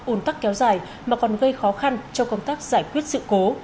ủn tắc kéo dài mà còn gây khó khăn cho công tác giải quyết sự cố